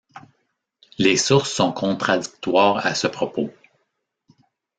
Les sources sont contradictoires à ce propos.